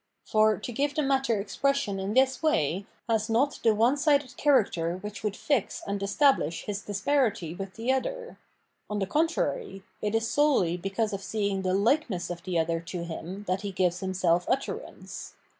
For to give the matter expression in this way has not the one sided character which would fix and establish his disparity with the other : on the contrary, it is solely because of seeing the likeness of the other to him that he gives himself utterance.